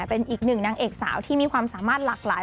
เป็นอีกหนึ่งนางเอกสาวที่มีความสามารถหลากหลาย